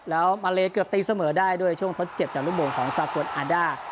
แล้วมาเลเกือบตีเสมอได้ด้วยช่วงทดเจ็บจากลูกโมงของสากลอาด้า